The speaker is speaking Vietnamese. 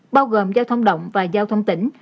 bao gồm giao thông động và giao thông tỉnh